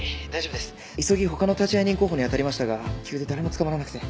急ぎ他の立会人候補にあたりましたが急で誰もつかまらなくて。